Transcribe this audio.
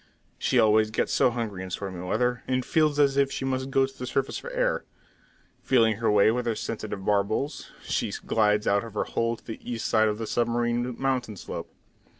She always gets so hungry in stormy weather, and feels as if she must go to the surface for air. Feeling her way with her sensitive barbels, she glides out of her hole on the east side of the submarine mountain slope.